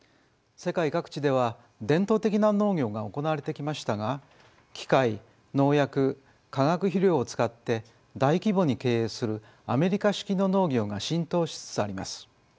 世界各地では伝統的な農業が行われてきましたが機械農薬化学肥料を使って大規模に経営するアメリカ式の農業が浸透しつつあります。